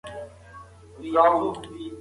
پوهه د ذهن دروازې خلاصوي.